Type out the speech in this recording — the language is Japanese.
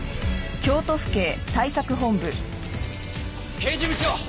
刑事部長！